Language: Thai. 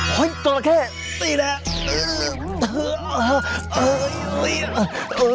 โอ้โฮจอร์ละเข้ตีแหละ